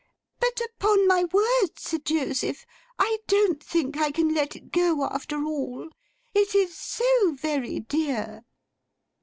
'But, upon my word, Sir Joseph, I don't think I can let it go after all. It is so very dear.